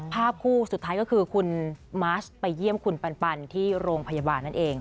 ภาพคู่สุดท้ายก็คือคุณมาร์ชไปเยี่ยมคุณปันที่โรงพยาบาลนั่นเอง